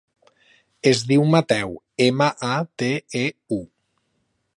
Es diu Mateu: ema, a, te, e, u.